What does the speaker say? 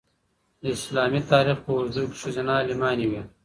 د اسلامي تاریخ په اوږدو کې ښځینه عالمانې وې.